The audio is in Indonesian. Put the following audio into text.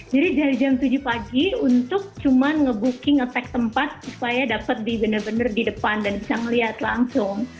jadi dari jam tujuh pagi untuk cuma ngebuking nge tag tempat supaya dapat di benar benar di depan dan bisa ngelihat langsung